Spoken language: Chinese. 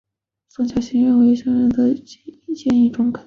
宋欣桥认为蔡若莲的建议中肯。